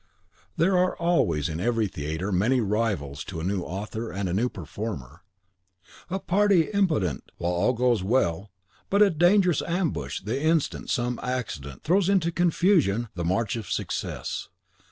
There are always in every theatre many rivals to a new author and a new performer, a party impotent while all goes well, but a dangerous ambush the instant some accident throws into confusion the march of success.